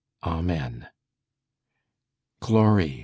Amen." "Glory!"